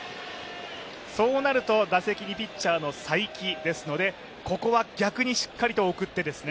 そうなると、打席にピッチャーの才木ですので、ここは逆にしっかりと送って。